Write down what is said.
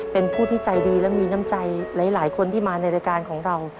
เป็นผู้ที่ใจดีและมีน้ำใจหลายคนที่มาในรายการของเรา